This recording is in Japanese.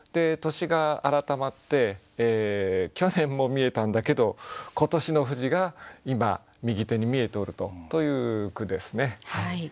年が改まって去年も見えたんだけど今年の富士が今右手に見えておるという句ですね。